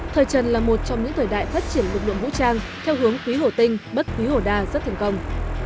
thời trần là một trong những thời đại phát triển lực lượng vũ trang theo hướng quý hồ tinh bất quý hồ đa rất thành công